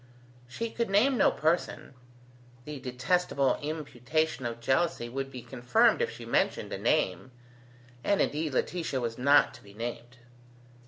She could name no person. The detestable imputation of jealousy would be confirmed if she mentioned a name: and indeed Laetitia was not to be named.